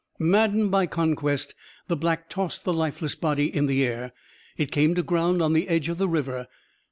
Maddened by conquest, the Black tossed the lifeless body in air. It came to ground on the edge of the river.